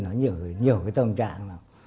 nó nhiều cái tâm trạng